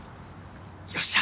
よっしゃ。